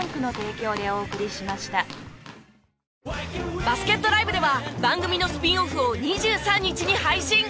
バスケットＬＩＶＥでは番組のスピンオフを２３日に配信！